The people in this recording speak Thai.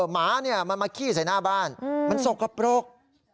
หมามันมาขี้ใส่หน้าบ้านมันสกปรก